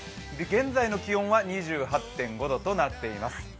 現在の気温は２８．５度となっています。